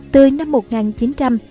từ năm một nghìn chín trăm linh